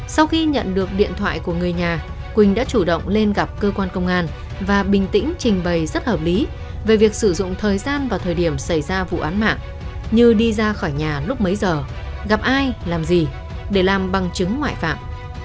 sau khi nhận được điện thoại của người nhà quỳnh đã chủ động lên gặp cơ quan công an và bình tĩnh trình bày rất hợp lý về việc sử dụng thời gian vào thời điểm xảy ra vụ án mạng như đi ra khỏi nhà lúc mấy giờ gặp ai làm gì để làm bằng chứng ngoại phạm